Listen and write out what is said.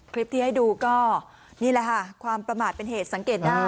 คลิปที่ให้ดูก็นี่แหละค่ะความประมาทเป็นเหตุสังเกตได้